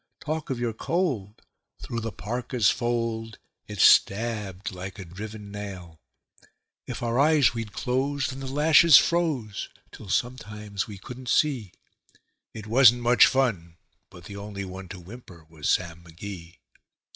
Talk of your cold! through the parka's fold it stabbed like a driven nail. If our eyes we'd close, then the lashes froze till sometimes we couldn't see; It wasn't much fun, but the only one to whimper was Sam McGee.